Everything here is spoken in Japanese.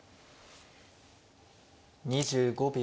２５秒。